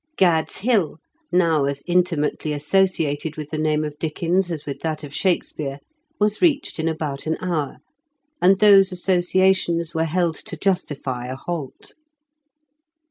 Gad's Hill,''^ now as intimately associated with the name of Dickens as with that of Shakespeare, was reached in about an hour, and those associations were held to justify a halt.